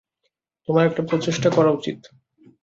তোমার একটা প্রচেষ্টা করা উচিত।